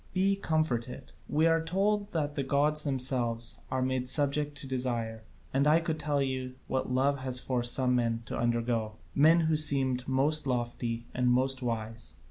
Be comforted; we are told that the gods themselves are made subject to desire, and I could tell you what love has forced some men to undergo, men who seemed most lofty and most wise.